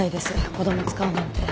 子供を使うなんて。